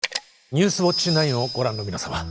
「ニュースウオッチ９」をご覧の皆様